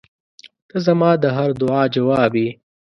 • ته زما د هر دعا جواب یې.